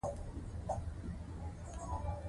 دښمن په څه وسلو سمبال و؟